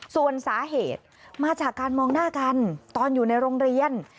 ส่วนสาเหตุมาจากการมองหน้ากันตอนอยู่ในโรงเรียน